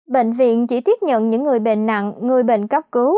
bệnh viện chỉ tiếp nhận những người bệnh nặng người bệnh cấp cứu